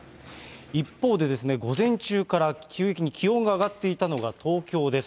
一方で、午前中から急激に気温が上がっていたのが東京です。